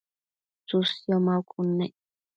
tsësio maucud nec